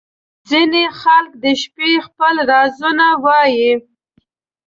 • ځینې خلک د شپې خپل رازونه وایې.